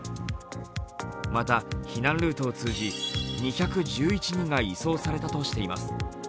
また、避難ルートを通じ２１１人が移送されたとしています。